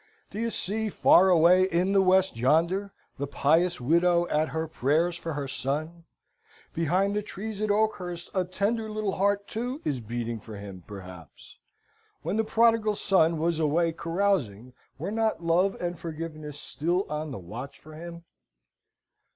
Do you see, far away in the west yonder, the pious widow at her prayers for her son? Behind the trees at Oakhurst a tender little heart, too, is beating for him, perhaps. When the Prodigal Son was away carousing, were not love and forgiveness still on the watch for him?